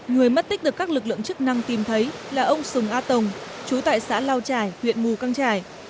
người mất tích được các lực lượng chức năng tìm thấy là ông sùng a tồng chú tại xã lao trải huyện mù căng trải